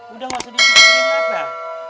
udah maksudnya ngapain mak